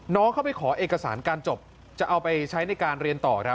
เข้าไปขอเอกสารการจบจะเอาไปใช้ในการเรียนต่อครับ